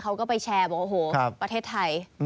เขาก็ไปแชร์บอกโอ้โหประเทศไทย